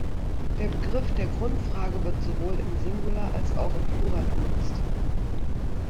Der Begriff der Grundfrage wird sowohl im Singular als auch Plural benutzt.